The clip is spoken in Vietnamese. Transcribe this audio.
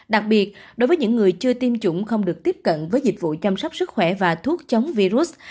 đặc biệt đối với những người chưa tiêm chủng không được tiếp cận với dịch vụ chăm sóc sức khỏe và thuốc chống virus